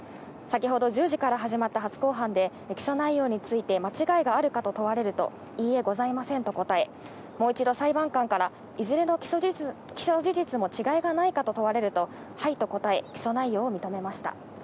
先ほど１０時から始まった初公判で起訴内容について間違いがあるかと問われると、いいえ、ございませんと答え、もう一度、裁判官からいずれの起訴事実も違いがないかと問われると、はいと答え、起訴内容を認めました。